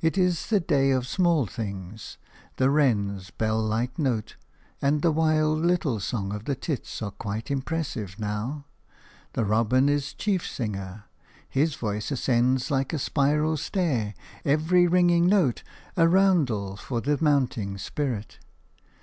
It is the day of small things; the wren's bell like note and the wild little song of the tits are quite impressive now. The robin is chief singer; his voice ascends like a spiral stair, every ringing note a roundel for the mounting spirit.